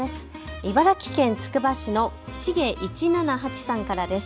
茨城県つくば市のしげ１７８さんからです。